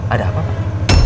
ada apa pak